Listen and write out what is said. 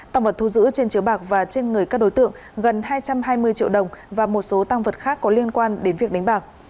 tăng vật thu giữ trên chiếu bạc và trên người các đối tượng gần hai trăm hai mươi triệu đồng và một số tăng vật khác có liên quan đến việc đánh bạc